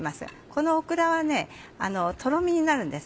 このオクラはとろみになるんです。